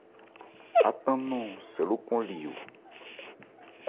Átan nɔ̂n sɛ lókɔn li o.